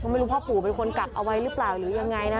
ไม่รู้พ่อปู่เป็นคนกักเอาไว้หรือเปล่าหรือยังไงนะ